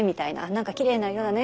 「なんかきれいな色だね」